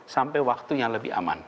sampai waktu yang lebih aman